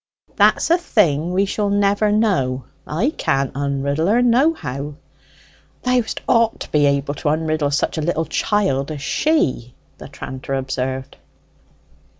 "That's a thing we shall never know. I can't onriddle her, nohow." "Thou'st ought to be able to onriddle such a little chiel as she," the tranter observed.